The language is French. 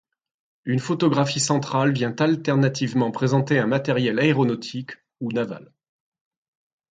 Une photographie centrale vient alternativement présenter un matériel aéronautique ou naval.